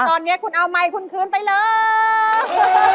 ตอนนี้คุณเอาไมค์คุณคืนไปเลย